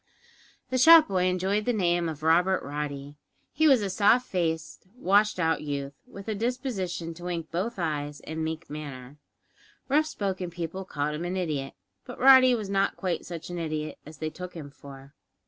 The shop boy enjoyed the name of Robert Roddy. He was a soft faced, washed out youth, with a disposition to wink both eyes in a meek manner. Rough spoken people called him an idiot, but Roddy was not quite such an idiot as they took him for.